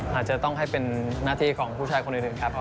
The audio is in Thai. อาจจะต้องให้เป็นหน้าที่ของผู้ชายคนอื่นครับ